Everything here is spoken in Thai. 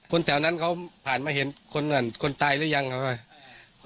คนแถวนั้นเขาผ่านมาเห็นคนตายหรือยังครับ